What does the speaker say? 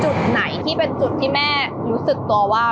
จุดไหนที่เป็นจุดที่แม่รู้สึกตัวว่า